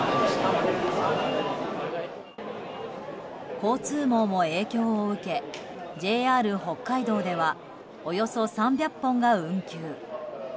交通網も影響を受けＪＲ北海道ではおよそ３００本が運休。